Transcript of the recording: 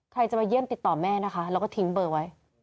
ใครจะมาเยี่ยมติดต่อแม่นะคะแล้วก็ทิ้งเบอร์ไว้